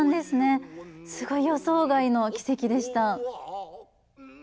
すごい予想外の奇跡でした。